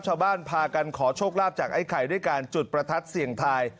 ชาวบ้านพากันขอโชคลาภจากไอ้ไข่ด้วยการจุดประทัดเสี่ยงทาย